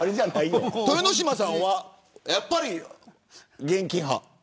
豊ノ島さんはやっぱり現金派。